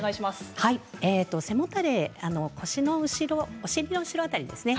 背もたれ、腰の後ろお尻の後ろ辺りですね。